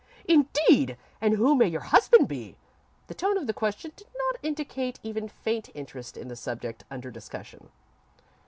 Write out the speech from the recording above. "Indeed! And who may your husband be?" The tone of the question did not indicate even faint interest in the subject under discussion.